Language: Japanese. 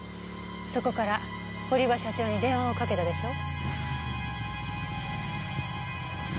そこから堀場社長に電話をかけたでしょう？